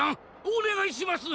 おねがいします！